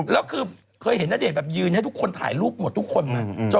แล้วคือเคยเห็นณเดชนแบบยืนให้ทุกคนถ่ายรูปหมดทุกคน